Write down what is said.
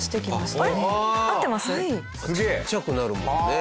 ちっちゃくなるもんね。